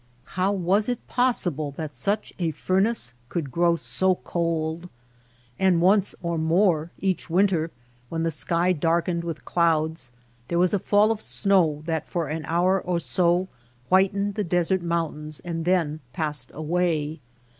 How was it possible that such a furnace could grow so cold ! And once or more each winter, when the sky darkened with clouds, there was a fall of snow that for an hour or so whitened the desert mountains and then passed away.